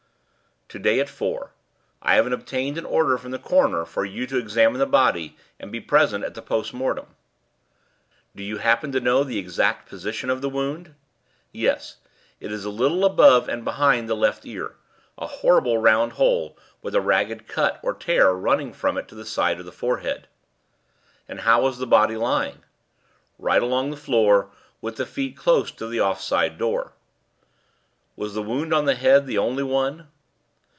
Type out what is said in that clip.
"To day at four. I have obtained an order from the coroner for you to examine the body and be present at the post mortem." "Do you happen to know the exact position of the wound?" "Yes; it is a little above and behind the left ear a horrible round hole, with a ragged cut or tear running from it to the side of the forehead." "And how was the body lying?" "Right along the floor, with the feet close to the off side door." "Was the wound on the head the only one?"